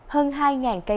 hơn hai cây hoa